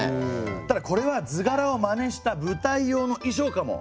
ただこれは図柄をまねした舞台用の衣装かもしれませんね。